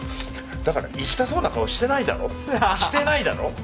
だから行きたそうな顔してないだろしてないだろ？